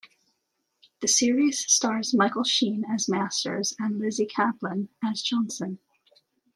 The series stars Michael Sheen as Masters and Lizzy Caplan as Johnson.